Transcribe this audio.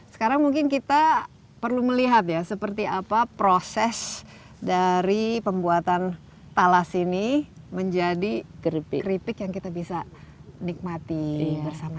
sekarang mungkin kita perlu melihat ya seperti apa proses dari pembuatan talas ini menjadi keripik yang kita bisa nikmati bersama